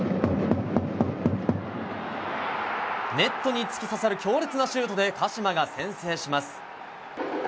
ネットに突き刺さる強烈なシュートで鹿島が先制します。